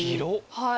はい。